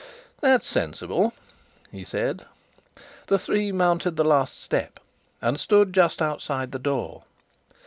"That's sensible," he said. The three mounted the last step, and stood just outside the door.